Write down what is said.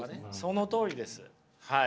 そのとおりですはい。